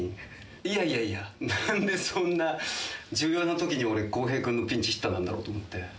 いやいやいや、なんでそんな重要なときに俺、洸平君のピンチヒッターなんだろうと思って。